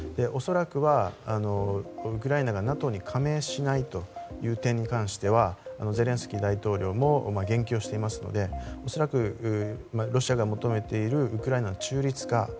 恐らくはウクライナがＮＡＴＯに加盟しないという点に関してはゼレンスキー大統領も言及していますので恐らくロシアが求めているウクライナの中立化